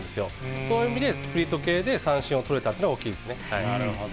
そういう意味でスプリット系で三振を取れたというのが大きいですなるほど。